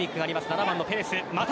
７番のペレス。